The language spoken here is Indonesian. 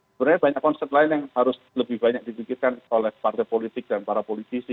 sebenarnya banyak konsep lain yang harus lebih banyak dipikirkan oleh partai politik dan para politisi